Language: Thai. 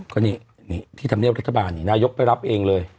ก็นี่ที่ธรรมเนียบรัฐบาลนี่นายกไปรับเองเลย